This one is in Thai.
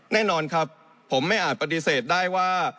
แน่นอนครับผมไม่อาจปฏิเสธได้ว่า